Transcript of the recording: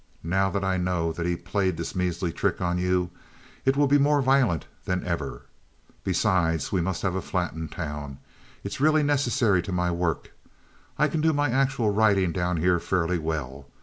Now that I know that he played this measly trick on you, it will be more violent than ever. Besides, we must have a flat in town. It's really necessary to my work! I can do my actual writing down here fairly well.